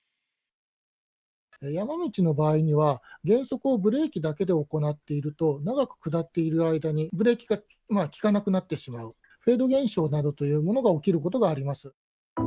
山道の場合には、減速をブレーキだけで行っていると、長く下っている間に、ブレーキが利かなくなってしまう、フェード現象などというものが起きることがあります。